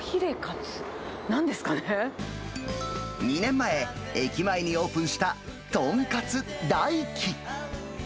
２年前、駅前にオープンしたとんかつ大希。